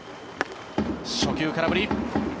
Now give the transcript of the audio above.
初球、空振り。